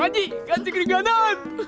aji kasih keringanan